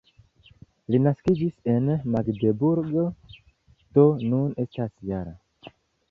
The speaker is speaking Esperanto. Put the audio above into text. Li naskiĝis en Magdeburg, do nun estas -jara.